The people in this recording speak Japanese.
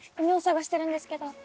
犬を捜してるんですけど。